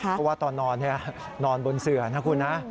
เพราะว่าตอนนอนนอนบนเสือนะคุณนะ